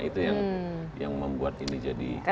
itu yang membuat ini jadi